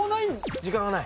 時間がない。